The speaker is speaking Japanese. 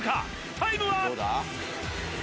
タイムは？